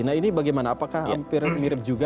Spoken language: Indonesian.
nah ini bagaimana apakah hampir mirip juga